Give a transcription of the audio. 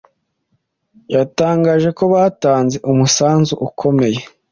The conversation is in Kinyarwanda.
yatangaje ko batanze umusanzu ukomeye